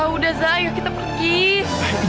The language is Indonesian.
udah zaya kita pergi